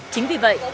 chính vì vậy